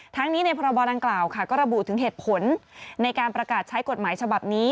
ทั้งนี้ในพรบดังกล่าวค่ะก็ระบุถึงเหตุผลในการประกาศใช้กฎหมายฉบับนี้